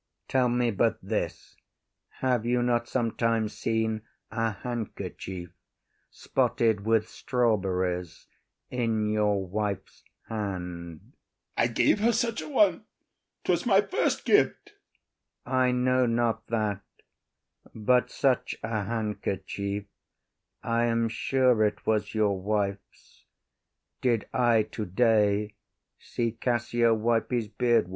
Tell me but this, Have you not sometimes seen a handkerchief Spotted with strawberries in your wife’s hand? OTHELLO. I gave her such a one, ’twas my first gift. IAGO. I know not that: but such a handkerchief (I am sure it was your wife’s) did I today See Cassio wipe his beard with.